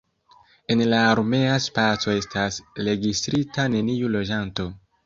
En la armea spaco estas registrita neniu loĝanto.